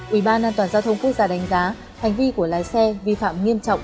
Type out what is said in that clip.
ubnd quốc gia đánh giá hành vi của lái xe vi phạm nghiêm trọng